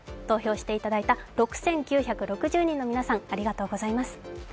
投票していただいた６９６０人の皆さんありがとうございます。